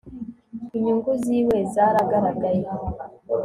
Inyungu ziwe zaragaragaye